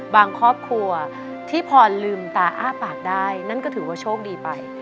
ครอบครัวที่พอลืมตาอ้าปากได้นั่นก็ถือว่าโชคดีไป